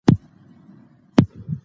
زه له خپل پلارنی هیواد سره مینه لرم